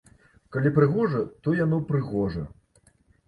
Калі прыгожа, то яно прыгожа!